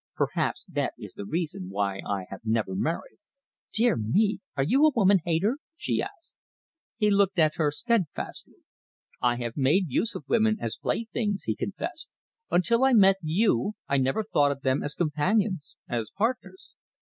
Perhaps that is the reason why I have never married." "Dear me, are you a woman hater?" she asked. He looked at her steadfastly. "I have made use of women as playthings," he confessed. "Until I met you I never thought of them as companions, as partners."